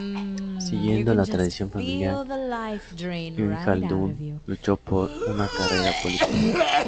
Siguiendo la tradición familiar, Ibn Jaldún luchó por una carrera política.